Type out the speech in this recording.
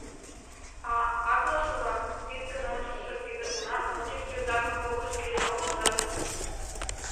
А аклышыла, тӱткын ончыштшо тиде уна ончыч йозакым погышо лийын огыл гын?